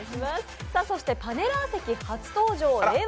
そしてパネラー席初登場令和